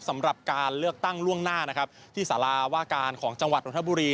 สำหรับการเลือกตั้งล่วงหน้านะครับที่สาราว่าการของจังหวัดนทบุรี